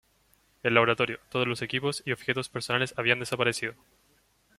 El laboratorio, todos los equipos y objetos personales habían desaparecido.